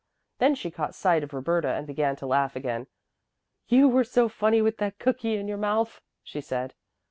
Then she caught sight of Roberta and began to laugh again. "You were so funny with that cookie in your mouth," she said.